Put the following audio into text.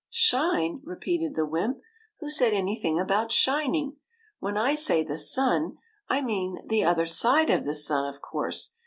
'^ Shine !" repeated the wymp. '' Who said anything about shining? When I say the sun, I mean the other side of the sun, of course.